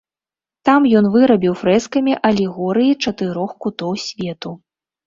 Там ён вырабіў фрэскамі алегорыі чатырох кутоў свету.